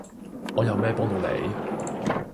我有咩幫到你？